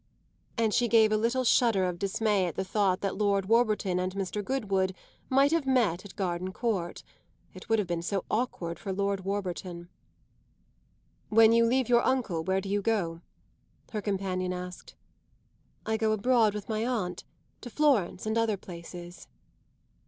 And she gave a little shudder of dismay at the thought that Lord Warburton and Mr. Goodwood might have met at Gardencourt: it would have been so awkward for Lord Warburton. "When you leave your uncle where do you go?" her companion asked. "I go abroad with my aunt to Florence and other places."